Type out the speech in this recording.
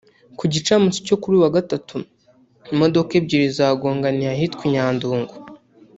Ku gicamutsi cyo kuri uyu wa Gatatu imodoka ebyiri zagonganiye ahitwa i Nyandungu